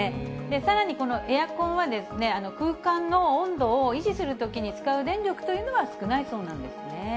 さらにこのエアコンは、空間の温度を維持するときに使う電力というのは少ないそうなんですね。